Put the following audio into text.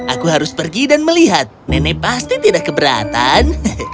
aku harus pergi dan melihat nenek pasti tidak keberatan